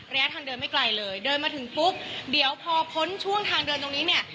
ระยะทางเดินไม่ไกลเลยเดินมาถึงปุ๊บเดี๋ยวพอพ้นช่วงทางเดินตรงนี้เนี่ย